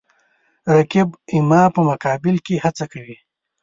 رقیب زما په مقابل کې هڅه کوي